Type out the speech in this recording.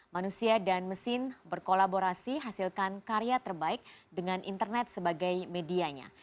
manusia dan mesin berkolaborasi hasilkan karya terbaik dengan internet sebagai medianya